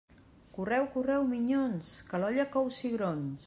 Correu, correu, minyons, que l'olla cou cigrons.